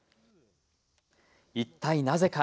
一体なぜか。